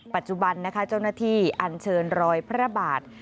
ปัจจุบันนะคะเจ้าหน้าที่อันเชิญรอยพระบาท